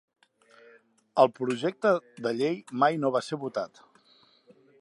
El projecte de llei mai no va ser votat.